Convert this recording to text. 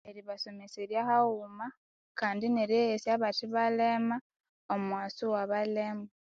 Eribasomeserya haghuma Kandi neryeghesya abatebalema omughasu iwabalema